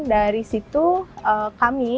dari situ kami